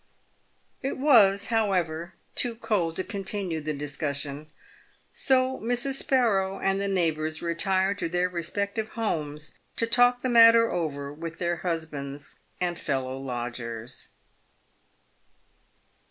It was, however, too cold to continue the discussion; so Mrs. Sparrow and the neighbours retired to their respective homes to talk the matter over with their husbands and fellow lodgers.